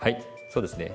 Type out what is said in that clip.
そうですね。